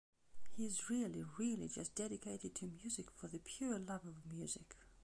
He's really, really just dedicated to music for the pure love of music.